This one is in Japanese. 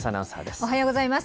おはようございます。